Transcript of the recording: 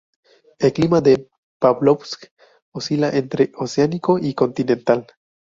El clima de Pávlovsk oscila entre oceánico y continental.